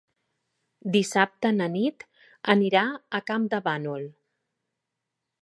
Dissabte na Nit anirà a Campdevànol.